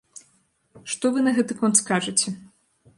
Што вы на гэты конт скажаце?